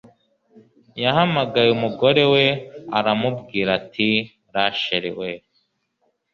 yahamagaye umugore we aramubwira ati Rachel we